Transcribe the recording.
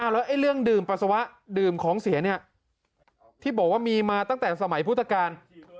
แล้วเรื่องดื่มปัสสาวะดื่มของเสียเนี่ยที่บอกว่ามีมาตั้งแต่สมัยพุทธกาล